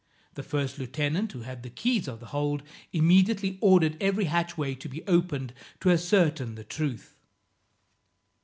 The first lieutenant, who had the keys of the hold, immediately ordered every hatchway to be opened to ascertain the truth.